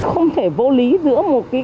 không thể vô lý giữa một kỳ cao